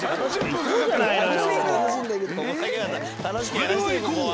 それではいこう！